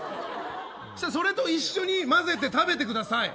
そしたら、それと一緒に混ぜて一緒に食べてください。